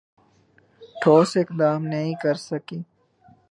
ٹھوس اقدام نہیں کرسکی